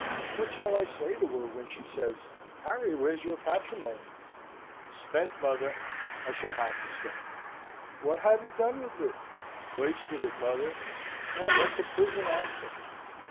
What shall I say to her, when she says, 'Harry, where's your patrimony?' 'Spent, mother,' I shall have to say. 'What have you done with it?' 'Wasted it, mother, and went to prison after.'